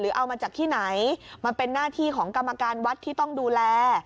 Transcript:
เอามาจากที่ไหนมันเป็นหน้าที่ของกรรมการวัดที่ต้องดูแล